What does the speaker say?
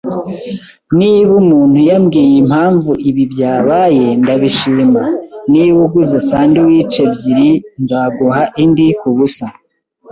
Niba umuntu yambwiye impamvu ibi byabaye, ndabishima. Niba uguze sandwiches ebyiri, nzaguha indi kubusa.